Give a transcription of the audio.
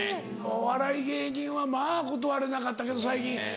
お笑い芸人はまぁ断れなかったけど最近断る。